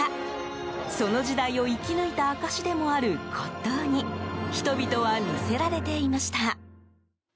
その時代を生き抜いた証しでもある骨董に人々は魅せられていました。